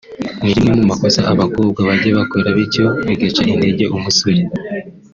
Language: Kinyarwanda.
ni rimwe mu makosa abakobwa bajya bakora bityo bigaca intege umusore